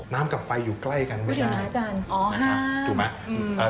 น้ำกับไฟอยู่ใกล้กันไม่ได้